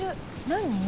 何？